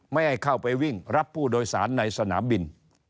ไม่ให้เข้าไปวิ่งรับผู้โดยสารในสนามบิน